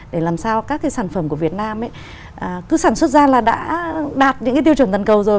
để làm sao các cái sản phẩm của việt nam cứ sản xuất ra là đã đạt những cái tiêu chuẩn thần cầu rồi